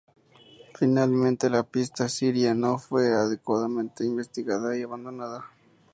Finalmente la "pista siria" no fue adecuadamente investigada y fue abandonada.